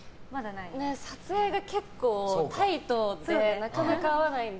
撮影が結構タイトでなかなか合わないので。